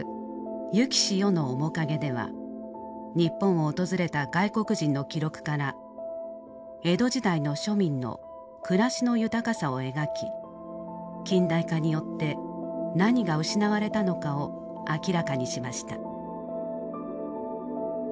「逝きし世の面影」では日本を訪れた外国人の記録から江戸時代の庶民の暮らしの豊かさを描き近代化によって何が失われたのかを明らかにしました。